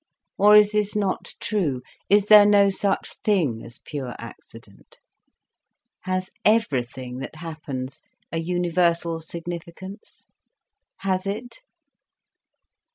Or is this not true, is there no such thing as pure accident? Has everything that happens a universal significance? Has it?